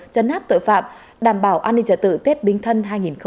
chấn hát tội phạm đảm bảo an ninh trả tự tết bình thân hai nghìn một mươi sáu